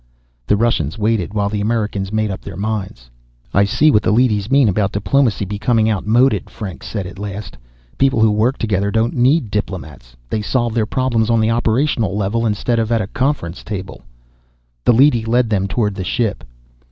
The Russians waited while the Americans made up their minds. "I see what the leadys mean about diplomacy becoming outmoded," Franks said at last. "People who work together don't need diplomats. They solve their problems on the operational level instead of at a conference table." The leady led them toward the ship.